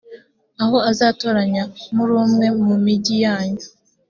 aho azatoranya muri umwe mu migi yanyu,